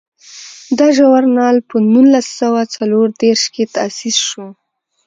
دا ژورنال په نولس سوه څلور دیرش کې تاسیس شو.